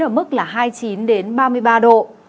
ở mức là hai mươi chín ba mươi ba độ